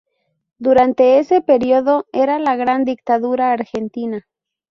Durante ese período, era la Gran Dictadura argentina.